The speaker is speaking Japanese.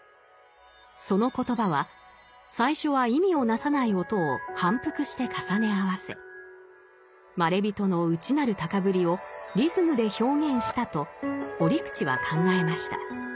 その言葉は最初は意味をなさない音を反復して重ね合わせまれびとの内なる高ぶりをリズムで表現したと折口は考えました。